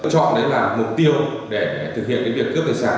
chọn đấy là mục tiêu để thực hiện việc cướp tài sản